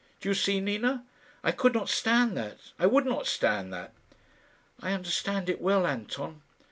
Do you see, Nina? I could not stand that I would not stand that." "I understand it well, Anton."